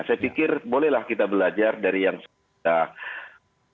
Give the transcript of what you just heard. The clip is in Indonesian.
saya pikir bolehlah kita belajar dari yang sebelumnya